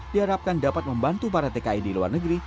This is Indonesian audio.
diharapkan dapat membantu para tki di luar negeri